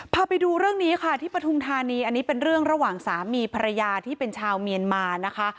พาไปดูเรื่องนี้ค่ะที่ปฐุมธานีอันนี้เป็นเรื่องระหว่างสามีภรรยาที่เป็นชาวเมียนมานะคะ